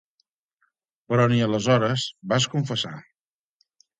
Però ni aleshores vas confessar.